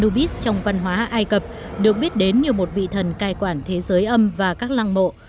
tubis trong văn hóa ai cập được biết đến như một vị thần cai quản thế giới âm và các lăng mộ